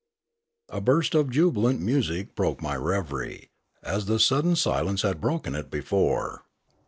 A burst of jubilant music broke my reverie, as the sudden silence had broken it before.